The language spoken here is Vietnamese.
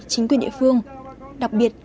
chính quyền địa phương đặc biệt